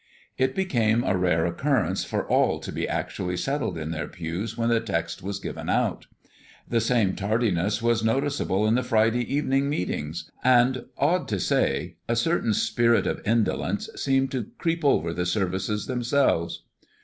It became a rare occurrence for all to be actually settled in their pews when the text was given out. The same tardiness was noticeable in the Friday evening meetings; and, odd to say, a certain spirit of indolence seemed to creep over the services themselves.